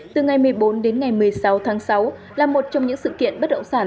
từ ngày một mươi bốn đến ngày một mươi sáu tháng sáu là một trong những sự kiện bất động sản